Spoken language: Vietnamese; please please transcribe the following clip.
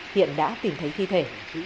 hiện đã tìm thấy thi thể